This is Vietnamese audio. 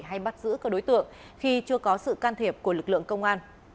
hay bắt giữ các đối tượng khi chưa có sự can thiệp của lực lượng công an